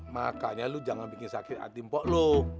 makanya lu jangan bikin sakit hati mpok lo